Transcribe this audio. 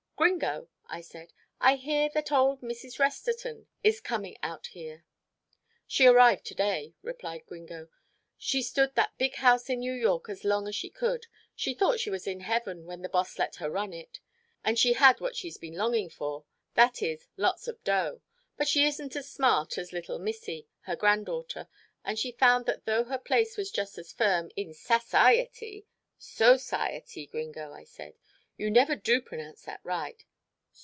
"Gringo," I said, "I hear that old Mrs. Resterton is coming out here." "She arrived to day," replied Gringo. "She stood that big house in New York as long as she could. She thought she was in heaven when the boss let her run it, and she had what she's been, longing for that is, lots of dough. But she isn't as smart as little missie, her granddaughter, and she found that though her place was just as firm in sassiety " "Society, Gringo," I said. "You never do pronounce that right."